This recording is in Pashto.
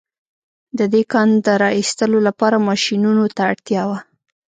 د دې کان د را ايستلو لپاره ماشينونو ته اړتيا وه.